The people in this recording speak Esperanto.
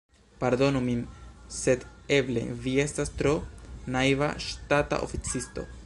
Pardonu min, sed eble vi estas tro naiva ŝtata oficisto.